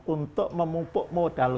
untuk memupuk modal